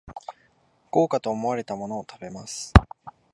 豪華と思われたものを食べます